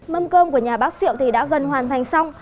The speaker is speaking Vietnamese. mâm cơm của nhà bác diệu thì đã gần hoàn thành xong